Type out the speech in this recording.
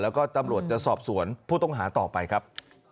แล้วก็ตำรวจจะสอบสวนผู้ต้องหาต่อไปครับ